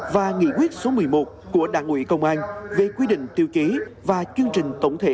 và nghị quyết số một mươi một của đảng ủy công an về quy định tiêu chí và chương trình tổng thể